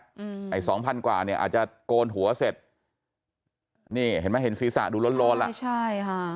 ไอ้สองพันกว่าเนี่ยอาจจะโกนหัวเสร็จนี่เห็นไหมเห็นศีรษะดูร้อนร้อนล่ะใช่ค่ะ